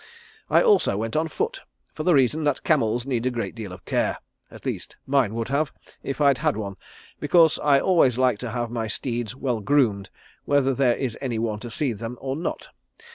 I also went on foot, for the reason that camels need a great deal of care at least mine would have, if I'd had one, because I always like to have my steeds well groomed whether there is any one to see them or not.